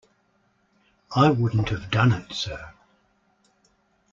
I wouldn't have done it, sir.